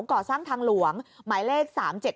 ก่อสร้างทางหลวงหมายเลข๓๗๗